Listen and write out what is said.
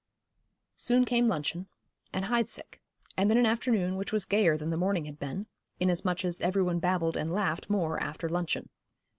Soon came luncheon, and Heidseck, and then an afternoon which was gayer than the morning had been, inasmuch as every one babbled and laughed more after luncheon.